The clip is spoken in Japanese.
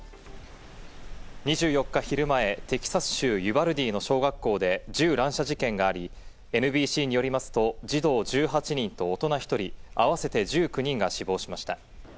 ２４日、昼前、テキサス州ユバルディの小学校で銃乱射事件があり、ＮＢＣによりますと児童１８人と大人１人、あわせて１９人が死亡しました。